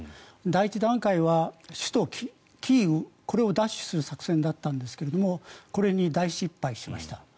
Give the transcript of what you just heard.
第１段階は首都キーウこれを奪取する作戦だったんですがこれに大失敗しました。